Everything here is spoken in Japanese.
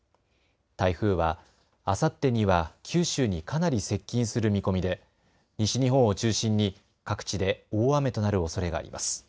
台風はあさってには九州にかなり接近する見込みで西日本を中心に各地で大雨となるおそれがあります。